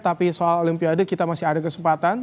tapi soal olimpiade kita masih ada kesempatan